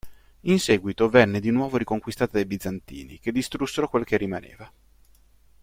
In seguito venne di nuovo riconquistata dai Bizantini che distrussero quel che rimaneva.